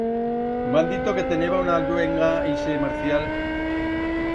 M'han dito que teneba una luenga ixe Marcial...